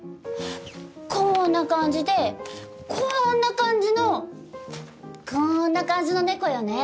こんな感じでこんな感じのこんな感じの猫よね？